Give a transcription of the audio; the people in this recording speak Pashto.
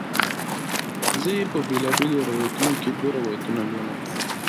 زه یې په بیلابیلو روایتونو کې دوه روایتونه لولم.